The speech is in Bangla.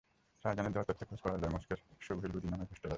শাহাজাহানের দেওয়া তথ্যে খোঁজ পাওয়া যায় মস্কোর সোভোই লুদি নামের হোস্টেলের।